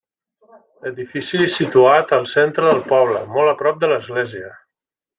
Edifici situat al centre del poble, molt a prop de l'església.